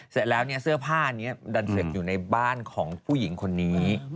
เสร็จแล้วเสื้อผ้านี้ดันเสร็จอยู่ในบ้านของผู้หญิงคนนี้